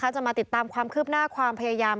จะมาติดตามความคืบหน้าความพยายาม